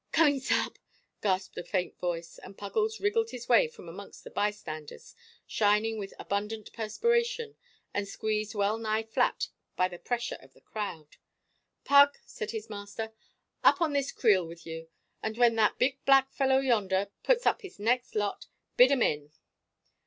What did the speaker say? "Coming, sa'b," gasped a faint voice, and Puggles wriggled his way from amongst the bystanders, shining with abundant perspiration and squeezed well nigh flat by the pressure of the crowd. "Pug," said his master, "up on this creel with you, and when that big black fellow yonder puts up his next lot, bid 'em in."